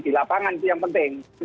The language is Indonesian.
di lapangan itu yang penting